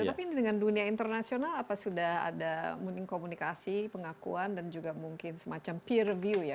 tapi ini dengan dunia internasional apa sudah ada komunikasi pengakuan dan juga mungkin semacam peer review ya